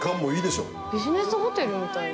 ビジネスホテルみたい。